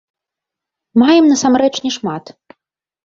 Маем, насамрэч, не шмат.